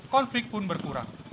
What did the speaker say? konflik pun berkurang